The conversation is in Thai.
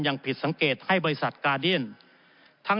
อย่างผิดสังเกตให้บริษัทกาเดียน